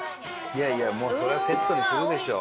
いやいやもうそりゃセットにするでしょ！